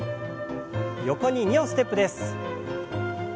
横に２歩ステップです。